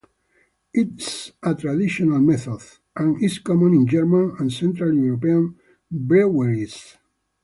It is a traditional method, and is common in German and Central European breweries.